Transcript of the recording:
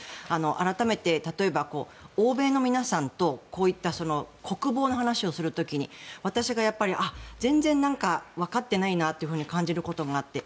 改めて例えば、欧米の皆さんとこういった国防の話をする時に私が全然わかってないなと感じることがあって。